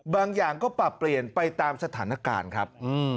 บางอย่างก็ปรับเปลี่ยนไปตามสถานการณ์ครับ